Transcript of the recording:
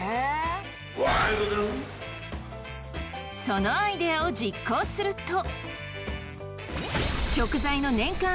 そのアイデアを実行すると。